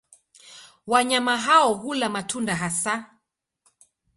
Wanyama hao hula matunda hasa.